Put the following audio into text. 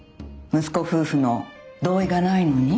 息子夫婦の同意がないのに？